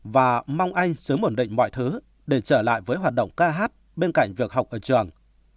và mong anh sớm ổn định mọi thứ để trở lại với hoạt động ca hát bên cạnh việc học ở trường